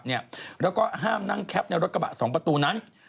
แล้วก็ห้ามนั่งแคปในรถกระบะ๒ประตูนั้น